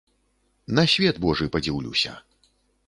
На свет божы падзіўлюся.